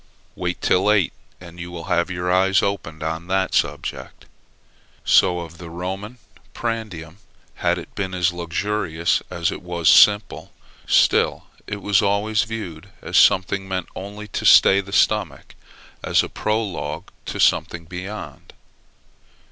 Wait till eight, and you will have your eyes opened on that subject. So of the Roman prandium: had it been as luxurious as it was simple, still it was always viewed as something meant only to stay the stomach, as a prologue to something beyond.